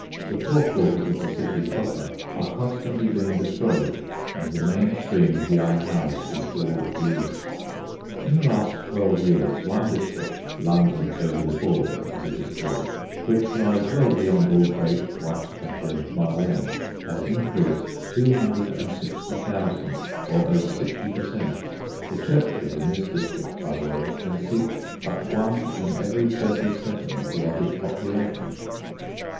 The poor quarters of the city proper are constantly being destroyed, and the main stream of the unhoused is toward the east. In the last twelve years, one district, "London over the Border," as it is called, which lies well beyond Aldgate, Whitechapel, and Mile End, has increased 260,000, or over sixty per cent. The churches in this district, by the way, can seat but one in every thirty seven of the added population.